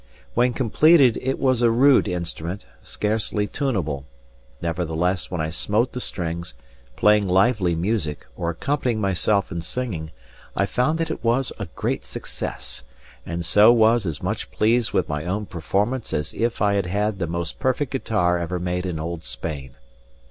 When completed it was a rude instrument, scarcely tunable; nevertheless when I smote the strings, playing lively music, or accompanied myself in singing, I found that it was a great success, and so was as much pleased with my own performance as if I had had the most perfect guitar ever made in old Spain.